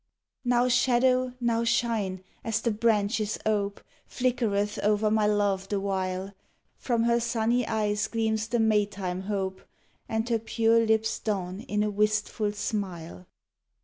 Now shadow, now shine, as the branches ope, Flickereth over my love the while: From her sunny eyes gleams the May time hope, And her pure lips dawn in a wistful smile.